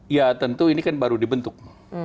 ya tentu ini kan baru dibentuk